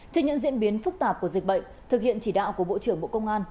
trên những diễn biến phức tạp của dịch bệnh thực hiện chỉ đạo của bộ trưởng bộ công an